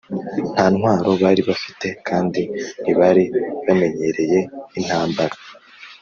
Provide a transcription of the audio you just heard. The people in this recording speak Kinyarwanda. nta ntwaro bari bafite kandi ntibari bamenyereye intambara,